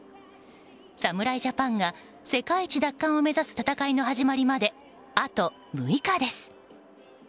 侍ジャパンが世界一奪還を目指す戦いの始まりまであと６日です。